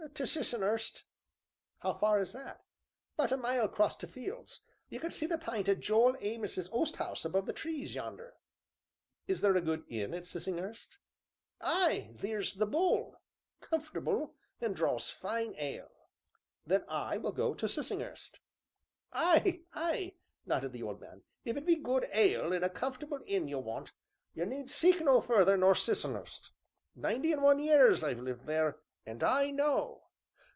"To Siss'n'urst!" "How far is that?" "'Bout a mile acrost t' fields, you can see the pint o' Joel Amos's oast 'ouse above the trees yonder." "Is there a good inn at Sissinghurst?" "Ay, theer's 'The Bull,' comfortable, an' draws fine ale!" "Then I will go to Sissinghurst." "Ay, ay," nodded the old man, "if it be good ale an' a comfortable inn you want you need seek no further nor Siss'n'urst; ninety an' one years I've lived there, an' I know."